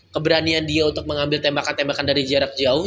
keberanian dia untuk mengambil tembakan tembakan dari jarak jauh